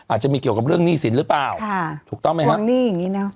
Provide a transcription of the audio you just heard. อาจจะมีเกี่ยวกับเรื่องหนี้สินหรือเปล่าค่ะถูกต้องไหมครับหนี้อย่างงี้เนอะ